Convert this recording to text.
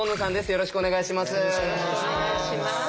よろしくお願いします。